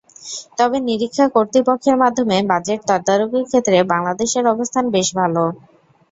তবে নিরীক্ষা কর্তৃপক্ষের মাধ্যমে বাজেট তদারকির ক্ষেত্রে বাংলাদেশের অবস্থান বেশ ভালো।